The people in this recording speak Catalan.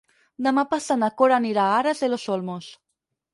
Demà passat na Cora anirà a Aras de los Olmos.